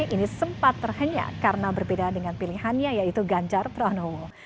ini sempat terhenyak karena berbeda dengan pilihannya yaitu ganjar pranowo